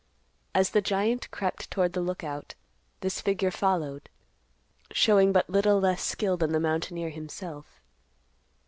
As the giant crept toward the Lookout, this figure followed, showing but little less skill than the mountaineer himself.